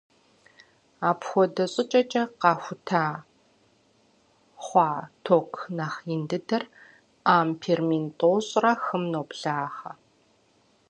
Апхуэдэ щӏыкӏэкӏэ къахута хъуа ток нэхъ ин дыдэр ампер мин тӏощӏрэ хым ноблагъэ.